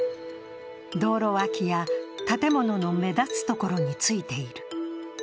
道路脇や建物の目立つところについている。